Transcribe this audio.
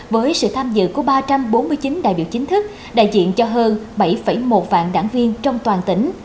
với sự tham dự của ba trăm bốn mươi chín đại biểu chính thức đại diện cho hơn bảy một vạn đảng viên trong toàn tỉnh